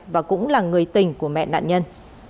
và cũng là người tình của mẹ nạn nhân